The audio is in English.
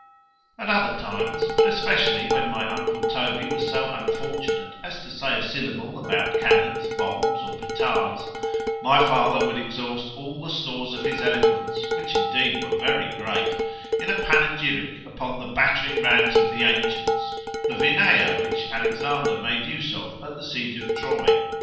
At other times, but especially when my uncle Toby was so unfortunate as to say a syllable about cannons, bombs, or petards—my father would exhaust all the stores of his eloquence (which indeed were very great) in a panegyric upon the BATTERING RAMS of the ancients—the VINEA which Alexander made use of at the siege of Troy.